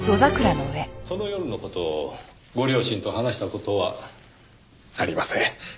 その夜の事をご両親と話した事は？ありません。